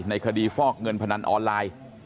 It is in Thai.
ในคดีฟอกเงินพนันออนไลน์